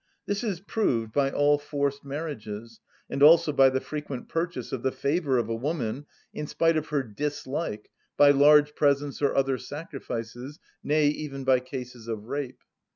This is proved by all forced marriages, and also by the frequent purchase of the favour of a woman, in spite of her dislike, by large presents or other sacrifices, nay, even by cases of rape.